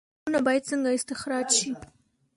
کانونه باید څنګه استخراج شي؟